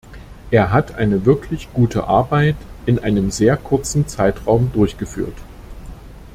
Er hat eine wirklich gute Arbeit in einem sehr kurzen Zeitraum durchgeführt.